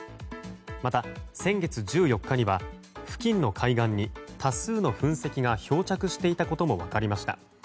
また、先月１４日には付近の海岸に多数の噴石が漂着していたことも分かりました。